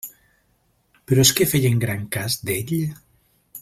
Però és que feien gran cas d'ell?